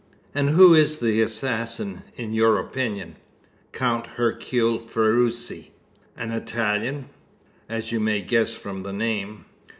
"And who is the assassin, in your opinion?" "Count Hercule Ferruci." "An Italian?" "As you may guess from the name."